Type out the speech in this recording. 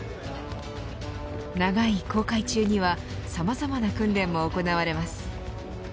長い航海中にはさまざまな訓練も行われます。